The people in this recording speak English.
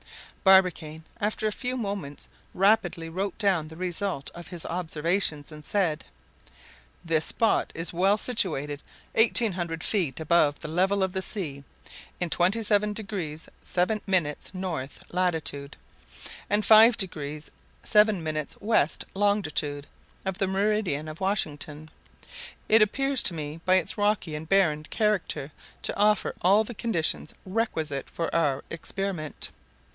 Barbicane, after a few moments, rapidly wrote down the result of his observations, and said: "This spot is situated eighteen hundred feet above the level of the sea, in 27° 7′ N. lat. and 5° 7′ W. long. of the meridian of Washington. It appears to me by its rocky and barren character to offer all the conditions requisite for our experiment.